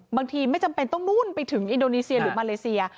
ไม่จำเป็นต้องนู่นไปถึงอินโดนีเซียหรือมาเลเซีย